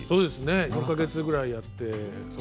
５か月ぐらいやって。